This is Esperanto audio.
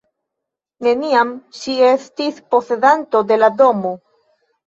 Neniam ŝi estis posedanto de la domo.